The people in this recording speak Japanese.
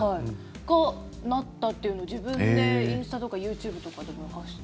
が、なったっていうのを自分でインスタとかＹｏｕＴｕｂｅとかでも。